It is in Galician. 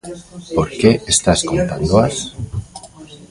Por que estás contándoas?